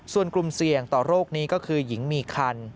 ส่วนกลุ่มเสี่ยงต่อโรคนี้ก็คือหญิงมีคัน